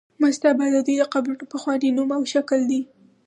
مستابه د دوی د قبرونو پخوانی نوم او شکل دی.